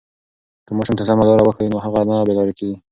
که ماشوم ته سمه لاره وښیو نو هغه نه بې لارې کېږي.